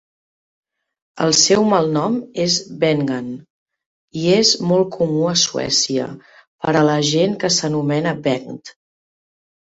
El seu malnom és "Bengan" i és molt comú a Suècia per a la gent que s'anomena Bengt.